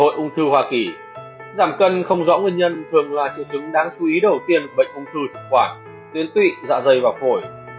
với ung thư hoa kỳ giảm cân không rõ nguyên nhân thường là triệu chứng đáng chú ý đầu tiên của bệnh ung thư thực quản tiến tụy dạ dày và phổi